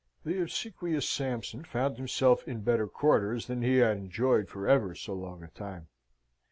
The obsequious Sampson found himself in better quarters than he had enjoyed for ever so long a time.